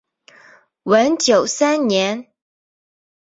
文久三年。